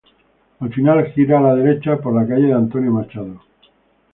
Al final, gira a la derecha por la calle de Antonio Machado.